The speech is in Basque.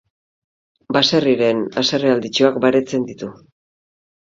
Baserriren hasearrealditxoak baretzen ditu.